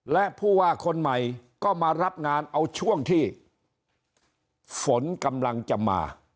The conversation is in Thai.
และผู้ว่าคนใหม่ก็มารับงานเอาช่วงที่ฝนกำลังจะมา